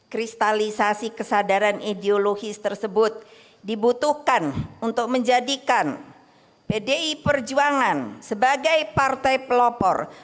kristalisasi kesadaran ideologis tersebut dibutuhkan untuk menjadikan pdi perjuangan sebagai partai pelopor